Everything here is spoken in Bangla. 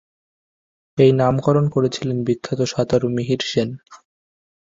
এই নামকরণ করেছিলেন বিখ্যাত সাঁতারু মিহির সেন।